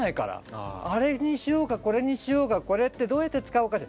あれにしようかこれにしようかこれってどうやって使うかって。